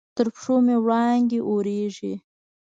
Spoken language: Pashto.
تر پښو مې وړانګې اوریږې